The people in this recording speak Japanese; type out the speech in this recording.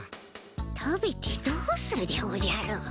食べてどうするでおじゃる。